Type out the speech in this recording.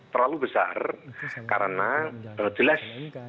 terlalu besar karena jelas